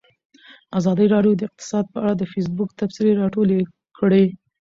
ازادي راډیو د اقتصاد په اړه د فیسبوک تبصرې راټولې کړي.